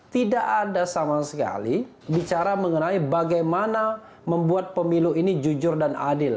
tidak ada sama sekali bicara mengenai bagaimana membuat pemilu ini jujur dan adil